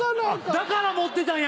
だから持ってたんや！